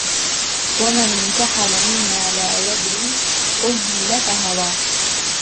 وَمَنْ انْتَحَلَ مِمَّا لَا يَدْرِي أُهْمِلَ فَهَوَى